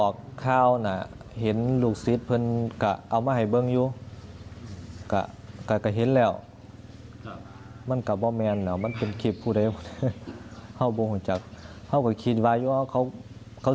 ข้าวไม่คิดว่าคอสิกาจะเอาไปออกบ้าน